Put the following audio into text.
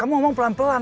kamu omong pelan pelan